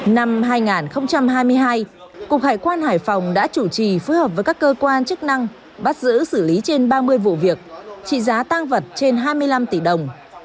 năm hai nghìn hai mươi hai cục hải quan hải phòng đã chủ trì phối hợp với các cơ quan chức năng bắt giữ xử lý trên ba mươi vụ việc trị giá tăng vật trên hai mươi năm tỷ đồng